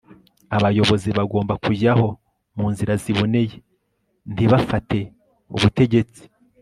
abayobozi bagomba kujyaho mu nzira ziboneye, ntibafate ubutegetsi